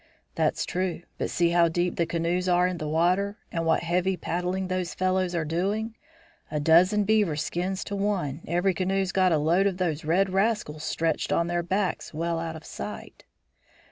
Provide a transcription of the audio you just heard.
"That's true. But see how deep the canoes are in the water, and what heavy paddling those fellows are doing! A dozen beaver skins to one, every canoe's got a load of those red rascals stretched on their backs well out of sight."